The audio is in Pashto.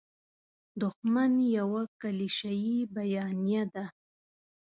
دوښمن یوه کلیشیي بیانیه ده.